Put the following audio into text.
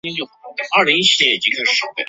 西班牙第一共和国时期。